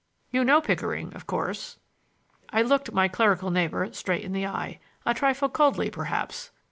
You know Pickering, of course?" I looked my clerical neighbor straight in the eye, a trifle coldly perhaps.